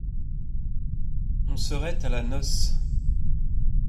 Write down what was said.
On serait à la noce.